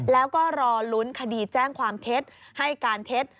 แล้วก็รอลุ้นคดีแจ้งความเท็จให้การเท็จ